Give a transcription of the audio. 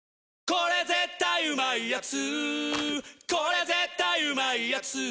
これ絶対うまいやつ」